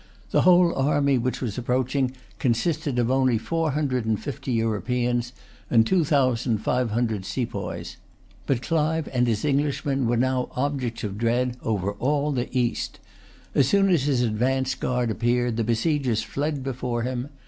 The whole army which was approaching consisted of only four hundred and fifty Europeans and two thousand five hundred sepoys. But Clive and his Englishmen were now objects of dread over all the East. As soon as his advance guard appeared, the besiegers fled before him.